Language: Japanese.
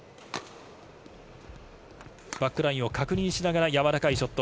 バックラインを確認しながらやわらかいショット。